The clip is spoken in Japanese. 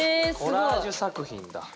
コラージュ作品だ。